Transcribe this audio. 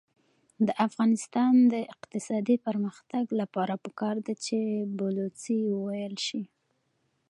د افغانستان د اقتصادي پرمختګ لپاره پکار ده چې بلوڅي وویل شي.